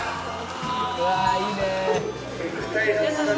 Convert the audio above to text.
「うわあいいね！」